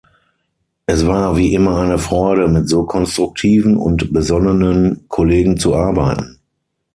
Es war wie immer eine Freude, mit so konstruktiven und besonnenen Kollegen zu arbeiten.